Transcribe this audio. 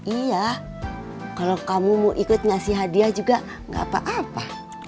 iya kalau kamu mau ikut ngasih hadiah juga gak apa apa